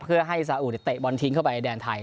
เพื่อให้สาอุเตะบอลทิ้งเข้าไปในแดนไทย